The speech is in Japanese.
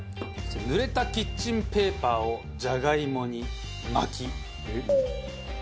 濡れたキッチンペーパーをじゃがいもに巻き。